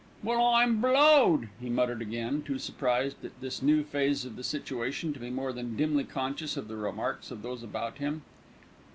"Well, I'm blowed!" he muttered again, too surprised at this new phase of the situation to be more than dimly conscious of the remarks of those about him.